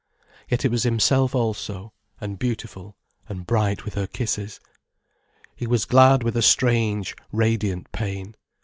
Yet it was himself also, and beautiful and bright with her kisses. He was glad with a strange, radiant pain.